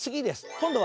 今度は。